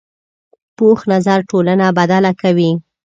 پوخ نظر ټولنه بدله کوي